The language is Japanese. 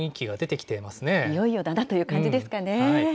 いよいよだなという感じですかね。